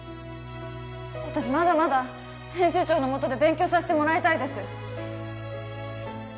私まだまだ編集長のもとで勉強させてもらいたいです